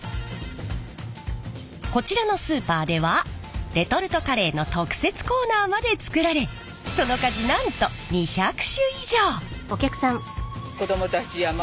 こちらのスーパーではレトルトカレーの特設コーナーまで作られその数なんと２００種以上！